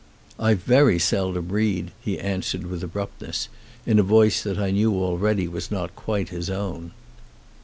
"I very seldom read," he answered with abrupt ness, in a voice that I knew already was not quite his own.